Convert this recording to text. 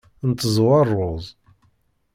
Nteẓẓu rruẓ.